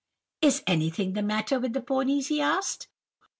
"'Is anything the matter with the ponies?' he asked.